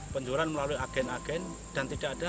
penjualan melalui agen agen dan tidak ada